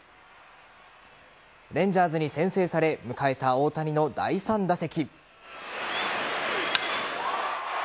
レンジャーズに先制され迎えた大谷の第３打席。